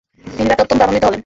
তিনি তাতে অত্যন্ত আনন্দিত হলেন।